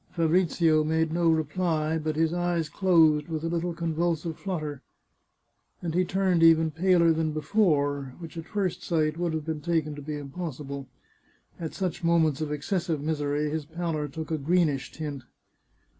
Fabrizio made no reply, but his eyes closed with a little convulsive flutter, and he turned even paler than before, which at first sight would have been taken to be impossible. At such moments of excessive misery his pallor took a greenish tint.